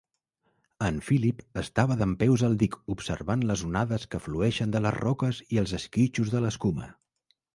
En Philip estava dempeus al dic observant les onades que flueixen de les roques i els esquitxos de l'escuma.